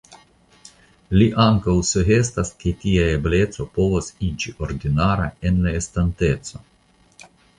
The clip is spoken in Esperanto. Li ankaŭ sugestas ke tia ebleco povas iĝi ordinara en la estonteco.